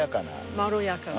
まろやかな。